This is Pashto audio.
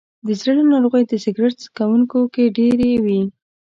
د زړه ناروغۍ د سګرټ څکونکو کې ډېرې وي.